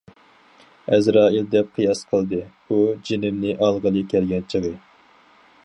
ئەزرائىل، دەپ قىياس قىلدى ئۇ، جېنىمنى ئالغىلى كەلگەن چېغى!...